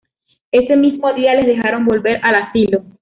Ese mismo día les dejaron volver al asilo.